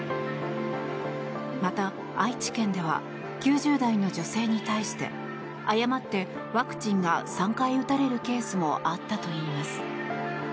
また、愛知県では９０代の女性に対して誤ってワクチンが３回打たれるケースもあったといいます。